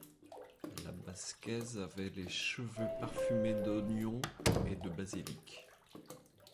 La basquaise avait les cheveux parfumés d’oignon et de basilic.